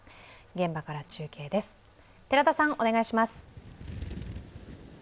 現場から中継です。